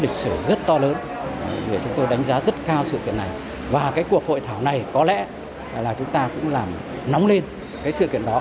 các tham luận cũng đã đánh giá được vai trò ý nghĩa giá trị lịch sử